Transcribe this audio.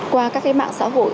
qua các cái mạng xã hội